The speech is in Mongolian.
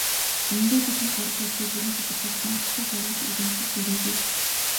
Үнэндээ, бидэнд гарал үүслээ бүрэн тодорхойлох ноттой баримт уламжилж ирээгүй.